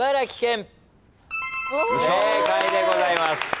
正解でございます。